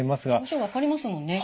表情分かりますもんね。